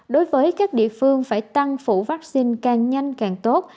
đối với các địa phương phải tăng phủ vaccine càng nhanh càng tốt